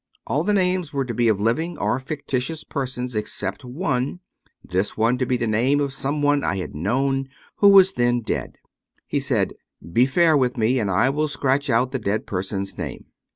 All the names were to be of living or fictitious persons except one, this one to be the name of some one I had known who was then dead. He said, " Be fair with me, and I will scratch out the dead person's name."